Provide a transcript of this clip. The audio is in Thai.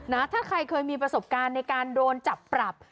ถ้าใครเคยมีประสบการณ์ในการโดนจับปรับ